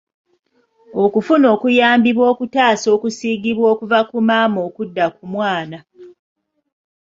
Okufuna okuyambibwa okutaasa okusiigibwa okuva ku maama okudda ku mwana.